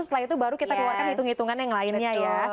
setelah itu baru kita keluarkan hitung hitungan yang lainnya ya